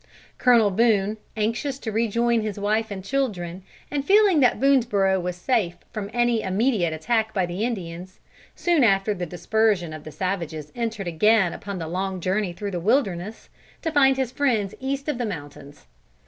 Colonel Boone, anxious to rejoin his wife and children, and feeling that Boonesborough was safe from any immediate attack by the Indians, soon after the dispersion of the savages entered again upon the long journey through the wilderness, to find his friends east of the mountains.